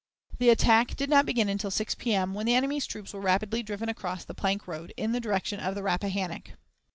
The attack did not begin until 6 P.M., when the enemy's troops were rapidly driven across the plank road in the direction of the Rappahannock.